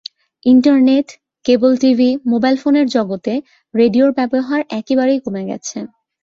Internet, cable TV, mobile ফোনের জগতে রেডিওর ব্যবহার একেবারেই কমে গেছে।